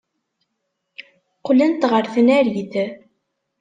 Qqlent ɣer tnarit.